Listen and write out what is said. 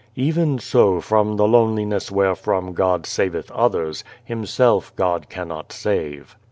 " Even so from the loneliness wherefrom God saveth others, Himself God cannot save.